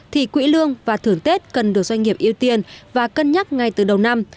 thì quỹ lương và thưởng tết cần được doanh nghiệp ưu tiên và cân nhắc ngay từ đầu năm